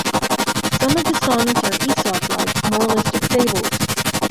Some of the sonnets are Aesop-like moralistic fables.